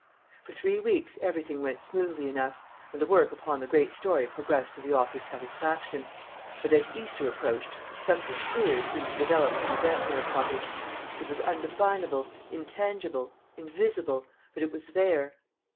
For three weeks everything went smoothly enough, and the work upon the great story progressed to the author's satisfaction; but as Easter approached something queer seemed to develop in the Dampmere cottage. It was undefinable, intangible, invisible, but it was there.